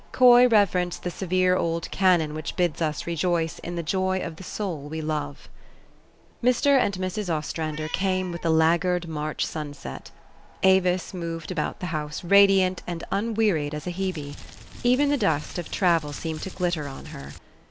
Coy rev erenced the severe old canon which bids us rejoice in the joy of the soul we love. Mr. and Mrs. Ostrander came with 'the laggard March sunset. Avis moved about the house radiant and unwearied as a Hebe : even the dust of travel seemed to glitter on her.